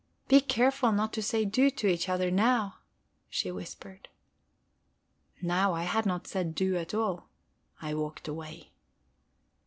"Be careful not to say 'Du' to each other now," she whispered. Now I had not said "Du" at all. I walked away.